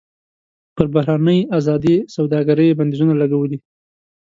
پر بهرنۍ ازادې سوداګرۍ یې بندیزونه لګولي.